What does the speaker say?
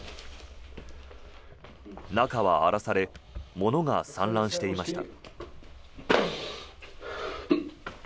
中は荒らされ物が散乱していました。